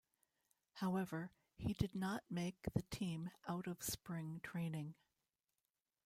However, he did not make the team out of spring training.